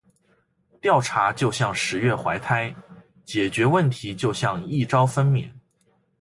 调查就像“十月怀胎”，解决问题就像“一朝分娩”。